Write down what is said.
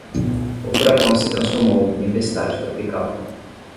O furacão se transformou em tempestade tropical